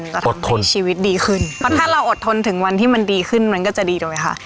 ก็ทำให้ชีวิตดีขึ้นเพราะถ้าเราอดทนถึงวันที่มันดีขึ้นมันก็จะดีถูกไหมคะ